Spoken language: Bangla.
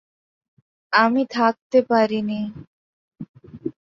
আমি থাকতে পারিনি।